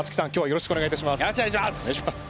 よろしくお願いします。